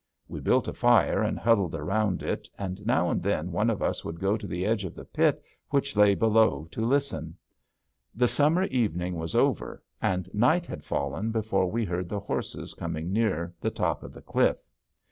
We built a fire and huddled round it, and now and then one of us would go to the edge of the pit which lay below to listen. The summer evening was over and night had fallen before we heard the horses coming near the top of the cliff.